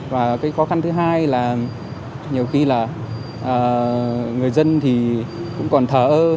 và cái khó khăn thứ hai là nhiều khi là người dân thì cũng còn thở ơ